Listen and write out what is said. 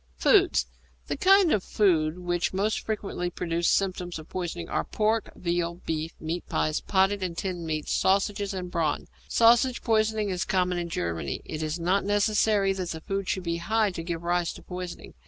=Foods.= The kinds of food which most frequently produce symptoms of poisoning are pork, veal, beef, meat pies, potted and tinned meats, sausages, and brawn. Sausage poisoning is common in Germany. It is not necessary that the food should be 'high' to give rise to poisoning.